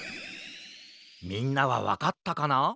みんなはわかったかな？